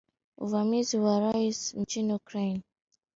uvamizi wa Urusi nchini Ukraine mwishoni mwa Februari